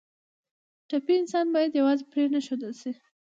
ټپي انسان باید یوازې پرېنښودل شي.